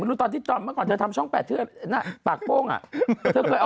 พี่หนุ่มก็ได้พี่หนุ่มก็ได้พี่หนุ่มเชื่อเฉพาะพี่หนุ่มแหละ